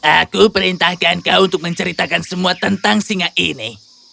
aku perintahkan kau untuk menceritakan semua tentang singa ini